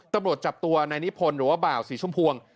ตำรวจจับตัวนายนิพนธ์หรือว่าบ่าวสีชมพวง